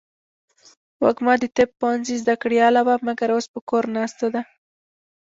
وږمه د طب پوهنځۍ زده کړیاله وه ، مګر اوس په کور ناسته ده.